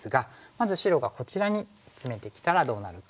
まず白がこちらにツメてきたらどうなるか。